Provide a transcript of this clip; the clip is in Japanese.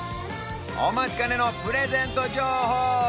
お待ちかねのプレゼント情報